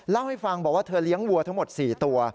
เล่าให้ฟังบอกว่าเธอเลี้ยงวัวทั้งหมด๔ตัว